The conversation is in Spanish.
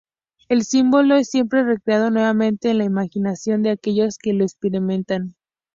El símbolo es siempre recreado nuevamente en la imaginación de aquellos que lo experimentan".